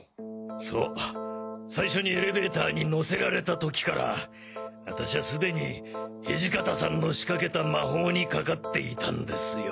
そう最初にエレベーターに乗せられた時から私はすでに土方さんの仕掛けた魔法にかかっていたんですよ。